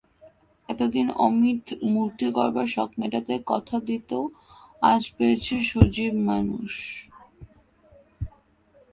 এতদিন অমিত মূর্তি গড়বার শখ মেটাত কথা দিয়ে, আজ পেয়েছে সজীব মানুষ।